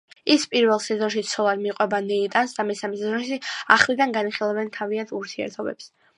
ის პირველ სეზონში ცოლად მიყვება ნეიტანს და მესამე სეზონში ახლიდან განიხილავენ თავიანთ ურთიერთობებს.